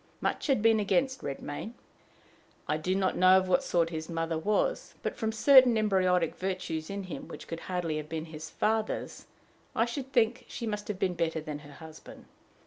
Much had been against Redmain. I do not know of what sort his mother was, but from certain embryonic virtues in him, which could hardly have been his father's, I should think she must have been better than her husband.